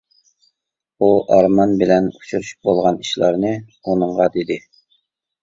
ئۇ ئارمان بىلەن ئۇچرىشىپ بولغان ئىشلارنى ئۇنىڭغا دېدى.